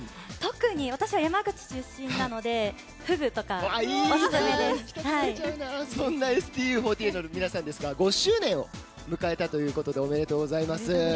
私は山口出身なのでそんなＳＴＵ４８の皆さんですが５周年を迎えたということでおめでとうございます。